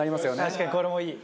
確かにこれもいい。